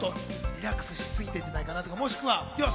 リラックスしすぎてるんじゃないのかなとか。